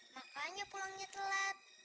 makanya pulangnya telat